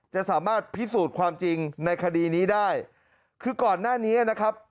จะสามารถพิสูจน์ความจริงในคดีนี้ได้คือก่อนหน้านี้นะครับ